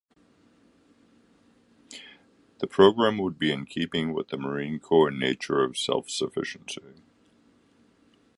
The program would be in keeping with the Marine Corps nature of self-sufficiency.